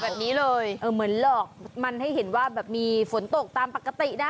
แบบนี้เลยเออเหมือนหลอกมันให้เห็นว่าแบบมีฝนตกตามปกตินะ